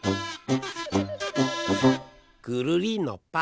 ぐるりんのぱ。